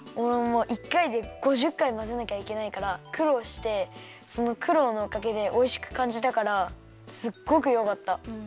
もう１かいで５０かいまぜなきゃいけないからくろうしてそのくろうのおかげでおいしくかんじたからすっごくよかった。